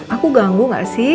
aku ganggu gak sih